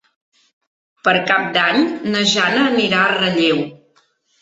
Per Cap d'Any na Jana anirà a Relleu.